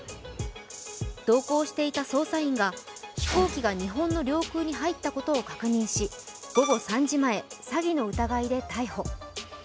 同行していた捜査員が、飛行機が日本の領空に入ったことを確認し午後３時前、詐欺の疑いで逮捕。